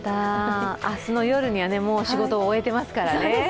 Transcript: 明日の夜には仕事を終えていますからね。